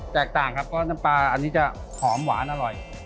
แตกต่างครับเพราะน้ำปลาอันนี้จะหอมหวานอร่อย